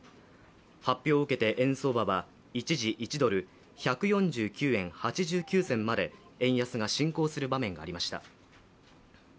発表を受けて円相場は一時、１ドル＝１４９円８９銭まで円安が進行する場面がありました。